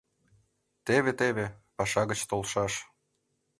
— Теве-теве паша гыч толшаш.